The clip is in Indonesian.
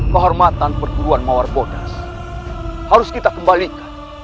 kehormatan perguruan mawar bodas harus kita kembalikan